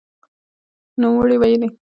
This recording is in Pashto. نوموړي ویلي، ځمکه مو خپله ورته بېله کړې